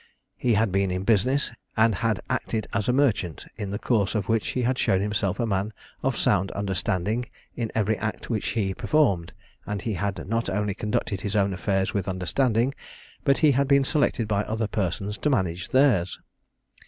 He had been in business, and had acted as a merchant, in the course of which he had shown himself a man of sound understanding in every act which he performed; and he had not only conducted his own affairs with understanding, but he had been selected by other persons to manage theirs.